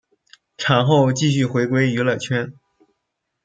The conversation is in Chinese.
产后继续回归娱乐圈。